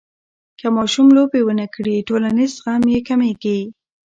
که ماشوم لوبې ونه کړي، ټولنیز زغم یې کمېږي.